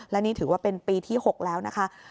และนี่ถือว่าเป็นปีที่๖แล้วนะคะ